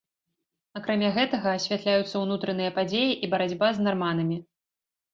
Акрамя гэтага асвятляюцца ўнутраныя падзеі і барацьба з нарманамі.